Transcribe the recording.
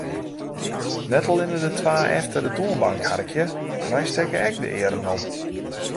Net allinne de twa efter de toanbank harkje, wy stekke ek de earen op.